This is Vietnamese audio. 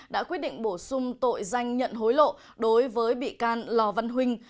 đã quyết định bổ sung tội danh nhận hối lộ đối với bị can lò văn huynh